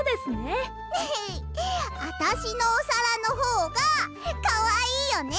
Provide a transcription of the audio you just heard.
えへっあたしのおさらのほうがかわいいよね？